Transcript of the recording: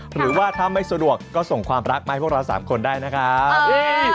หรือว่าถ้าไม่สะดวกก็ส่งความรักมาให้พวกเรา๓คนได้นะครับ